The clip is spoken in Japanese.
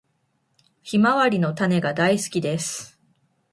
ヒマワリの種が大好きです。